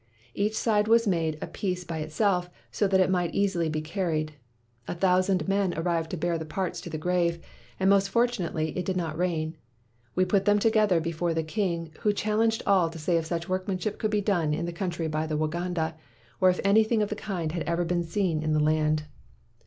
Each side was made a piece by itself so that it might be easily carried. A thousand men arrived to bear the parts to the grave, and most fortunately it did not rain. We jmt them together before the king, who challenged all to say if such workmanship could be done in the country by Waganda, or if anything of the kind had ever been seen in the land.